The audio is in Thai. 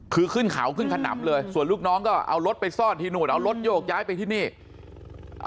คือขึ้นเขาขึ้นขนำเลยส่วนลูกน้องก็เอารถไปซ่อนที่นู่นเอารถโยกย้ายไปที่นี่